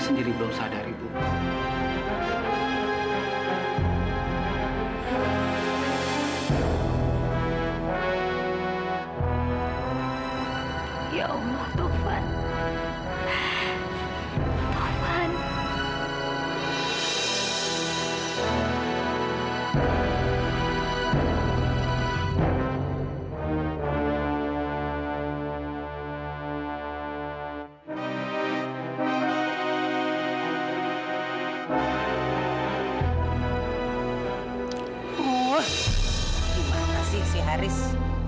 terima kasih si haris